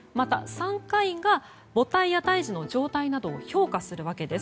産科医が母体や胎児の状態などを評価するわけです。